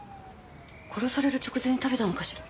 殺される直前に食べたのかしら。